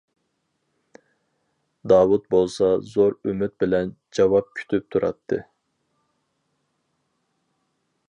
داۋۇت بولسا زور ئۈمىد بىلەن جاۋاب كۈتۈپ تۇراتتى.